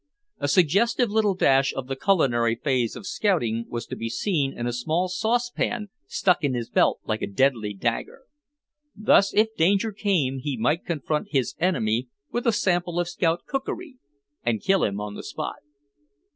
A suggestive little dash of the culinary phase of scouting was to be seen in a small saucepan stuck in his belt like a deadly dagger. Thus if danger came he might confront his enemy with a sample of scout cookery and kill him on the spot.